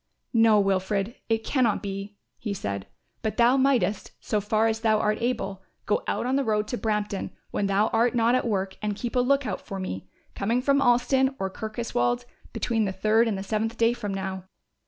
"No, Wilfred, it cannot be," he said; "but thou mightest, so far as thou art able, go out on the road to Brampton when thou art not at work and keep a look out for me coming from Alston or Kirkoswald between the third and the seventh day from now.